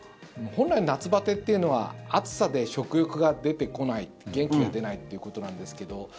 本来、夏バテというのは暑さで食欲が出てこない元気が出ないということなんですけど